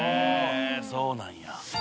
そうなんや。